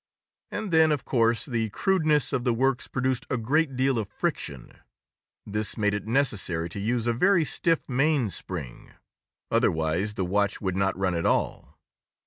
And then, of course, the crudeness of the works produced a great deal of friction. This made it necessary to use a very stiff mainspring, otherwise the watch would not run at all.